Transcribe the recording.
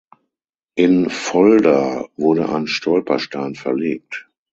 In Volda wurde ein Stolperstein verlegt.